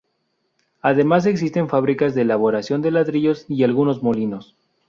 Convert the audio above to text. Además existen fábricas de elaboración de ladrillos y algunos molinos.